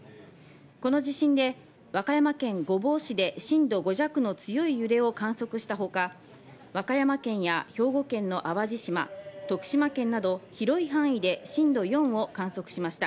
この地震で和歌山県御坊市で震度５弱の強い揺れを観測したほか、和歌山県や兵庫県の淡路島、徳島県など広い範囲で震度４を観測しました。